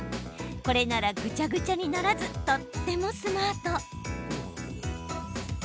これなら、ぐちゃぐちゃにならずとってもスマート。